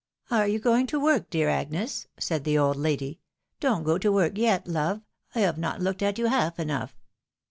"Are you going to work, dear Agnes?" said the old lady. " Don't go to work yet, love ! I have not looked at you half enough."